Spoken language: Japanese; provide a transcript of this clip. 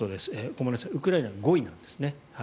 ごめんなさいウクライナは５位なんですね。